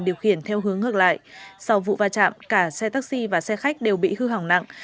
điều khiển theo hướng ngược lại sau vụ va chạm cả xe taxi và xe khách đều bị hư hỏng nặng